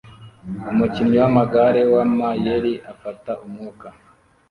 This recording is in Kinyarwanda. Umukinnyi wamagare wamayeri afata umwuka